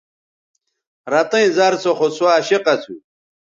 رتئیں زَر سو خو سوعشق اسُو